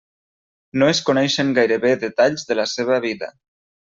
No es coneixen gairebé detalls de la seva vida.